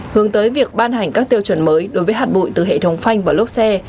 hướng tới việc ban hành các tiêu chuẩn mới đối với hạt bụi từ hệ thống phanh và lốp xe